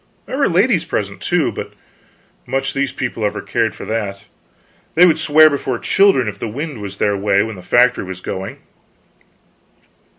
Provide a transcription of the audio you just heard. There were ladies present, too, but much these people ever cared for that; they would swear before children, if the wind was their way when the factory was going.